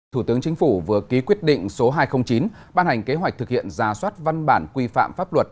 thủ tướng chính phủ vừa ký quyết định số hai trăm linh chín ban hành kế hoạch thực hiện ra soát văn bản quy phạm pháp luật